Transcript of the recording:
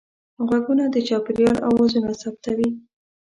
غوږونه د چاپېریال اوازونه ثبتوي